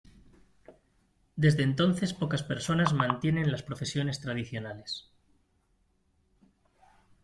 Desde entonces, pocas personas mantienen las profesiones tradicionales.